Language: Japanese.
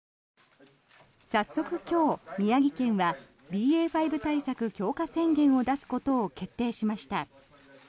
早速今日、宮城県はＢＡ．５対策強化宣言を出すことを決定しました。